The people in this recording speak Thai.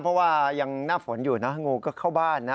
เพราะว่ายังหน้าฝนอยู่นะงูก็เข้าบ้านนะ